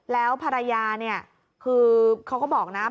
แล้วภรรยาเนี่ยคือเขาก็บอกนะ